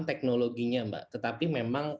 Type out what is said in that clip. teknologinya mbak tetapi memang